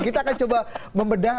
kita akan coba membedah